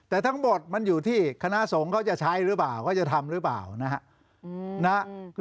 แต่ทั้งหมดมันอยู่ที่คณะสงฆ์เขาจะใช้หรือเปล่าเขาจะทำหรือเปล่านะฮะ